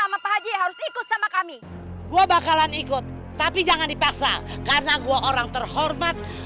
mapa haji harus ikut sama kami gua bakalan ikut tapi jangan dipaksa karena gua orang terhormat